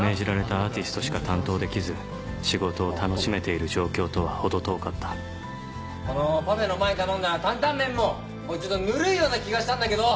アーティストしか担当できず仕事を楽しめている状況とは程遠かったこのパフェの前に頼んだ担々麺もちょっとぬるいような気がしたんだけど。